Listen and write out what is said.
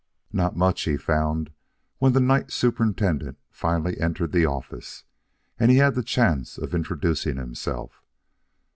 Not much, he found, when the night superintendent finally entered the office and he had the chance of introducing himself.